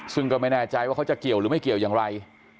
ซึ่งก็ไม่แน่ใจว่าเขาจะเกี่ยวหรือไม่เกี่ยวอย่างไร